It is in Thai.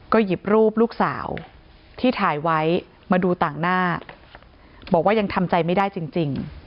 ก็หยิบรูปลูกสาวที่ถ่ายไว้มาดูต่างหน้าบอกว่ายังทำใจไม่ได้จริง